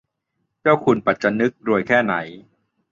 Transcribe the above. เจ้าคุณปัจจนึก รวยแค่ไหน